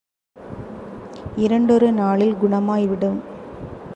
இரண்டொரு நாளில் குணமாய் விடும்.